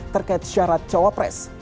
terkait syarat cawapres